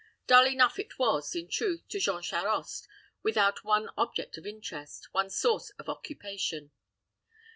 Dull enough it was, in truth, to Jean Charost, without one object of interest, one source of occupation.